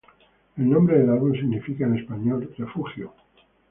El nombre del álbum significa en español "refugio".